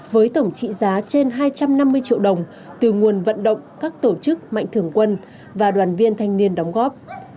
với tổng trị giá trên hai trăm năm mươi triệu đồng từ nguồn vận động các tổ chức mạnh thường quân và đoàn viên thanh niên đóng góp